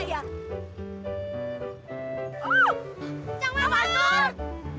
penny lu ngeliat gerhana gak